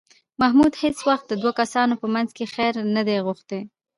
محمود هېڅ وخت د دوو کسانو په منځ کې خیر نه دی غوښتی